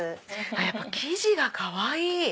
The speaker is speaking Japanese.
やっぱ生地がかわいい！